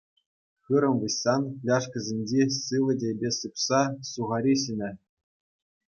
Хырӑм выҫсан фляжкӑсенчи сивӗ чейпе сыпса сухари ҫинӗ.